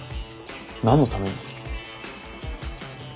何のために？